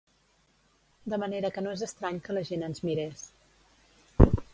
De manera que no és estrany que la gent ens mirés.